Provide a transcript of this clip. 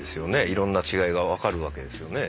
いろんな違いが分かるわけですよね。